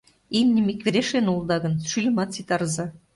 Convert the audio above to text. Имньым икверешлен улыда гын. шӱльымат ситарыза.